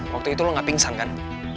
waktu itu lo gak pingsan kan